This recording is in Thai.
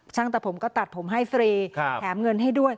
ตัดผมก็ตัดผมให้ฟรีแถมเงินให้ด้วย